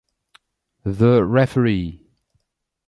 The Referee